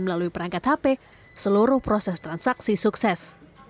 melalui perangkat hp seluruh proses transaksi sukses